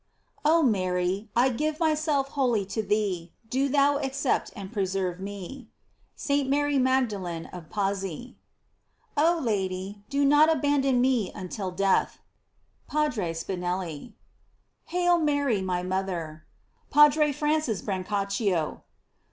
Oh Mary, I give myself wholly to thee, do thou accept and preserve me. — St. Mary Mag dalene of Pazzi. Oh Lady, do riot abandon me until death. — P. Spinelli. Hail Mary my mother. — P. Francis Brancac cio.